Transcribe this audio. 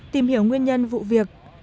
tìm hiểu nguyên nhân vụ việc